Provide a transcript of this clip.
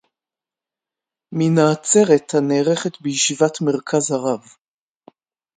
"מן העצרת הנערכת בישיבת "מרכז הרב"